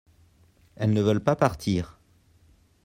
elles ne veulent pas partir.